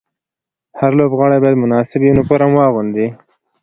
هر لوبغاړی باید مناسب یونیفورم واغوندي.